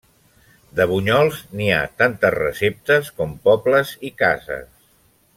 De bunyols n’hi ha tantes receptes com pobles i cases.